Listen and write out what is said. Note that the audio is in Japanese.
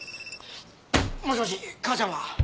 もしもし母ちゃんは？